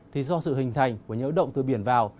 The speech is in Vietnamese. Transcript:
thì do sự hình thành của nhiễu động từ biển vào